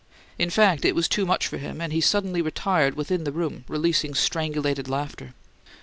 In fact, it was too much for him, and he suddenly retired within the room, releasing strangulated laughter.